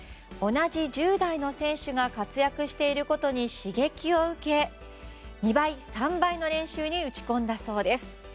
同じ１０代の選手が活躍していることに刺激を受け、２倍３倍の練習に打ち込んだそうです。